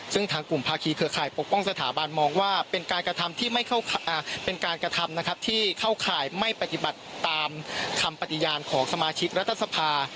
ซึ่งทางกลุ่มภาคีเครือข่ายปกป้องสถาบันมองว่าเป็นการกระทำที่ไม่เป็นการกระทำนะครับที่เข้าข่ายไม่ปฏิบัติตามคำปฏิญาณของสมาชิกรัฐสภา